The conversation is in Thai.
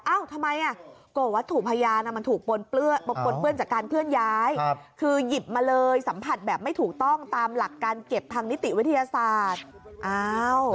ทำไมอ่ะโกรธวัตถุพยานมันถูกปนเปื้อนจากการเคลื่อนย้ายคือหยิบมาเลยสัมผัสแบบไม่ถูกต้องตามหลักการเก็บทางนิติวิทยาศาสตร์